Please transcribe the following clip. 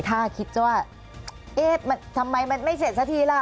ถ้าคิดจะว่าเอ๊ะทำไมมันไม่เสร็จสักทีล่ะ